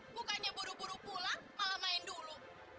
bukannya buru buru pulang malah main dulu